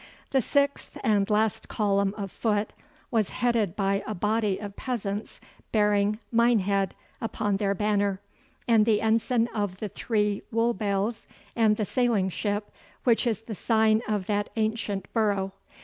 The sixth and last column of foot was headed by a body of peasants bearing 'Minehead' upon their banner, and the ensign of the three wool bales and the sailing ship, which is the sign of that ancient borough.